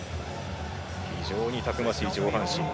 非常にたくましい上半身。